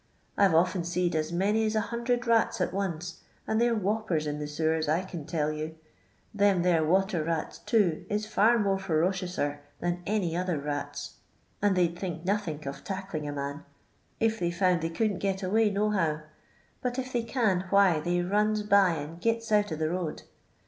I 're often seed as many aa a hundred rats at once, and they 're woppers in the sewers, I can tell you; them there water rats, too, is hx more ferocionser than any other nts, and they 'd think nothink of tackling a man, if they found they couldn't get away no how, but if thenr can why they runs by and giu out 0* the road.